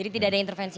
tidak ada intervensi